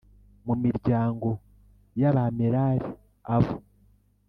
mu miryango y Abamerari abo